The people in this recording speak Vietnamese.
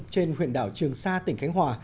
trên huyện đảo trường sa tỉnh khánh hòa